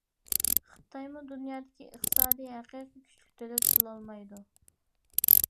خىتايمۇ دۇنيادىكى ئىقتىسادىي ھەقىقىي كۈچلۈك دۆلەت بولالمايدۇ.